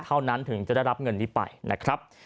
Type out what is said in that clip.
เท่านั้นถึงจะได้รับเงินนี้ไปนะครับ